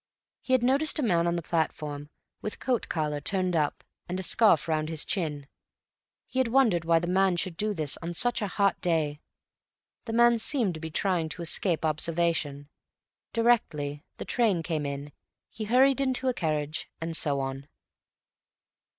He had noticed a man on the platform with coat collar turned up and a scarf round his chin. He had wondered why the man should do this on such a hot day. The man seemed to be trying to escape observation. Directly the train came in, he hurried into a carriage. And so on.